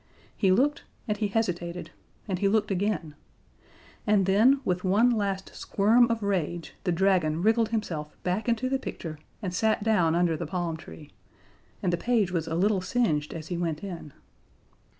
He looked and he hesitated, and he looked again, and then, with one last squirm of rage, the Dragon wriggled himself back into the picture and sat down under the palm tree, and the page was a little singed as he went in.